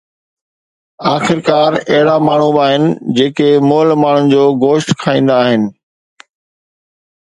آخرڪار، اهڙا ماڻهو به آهن جيڪي مئل ماڻهن جو گوشت کائيندا آهن.